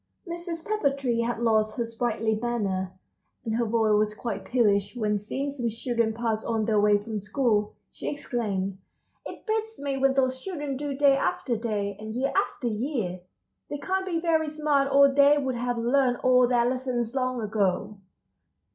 Mrs. Pepper Tree had lost her sprightly manner, and her voice was quite peevish when, seeing some children pass on their way from school, she exclaimed: "It beats me what those children do day after day, and year after year! They can't be very smart or they would have learned all their lessons long ago."